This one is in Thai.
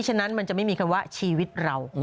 ฉะนั้นมันจะไม่มีคำว่าชีวิตเรา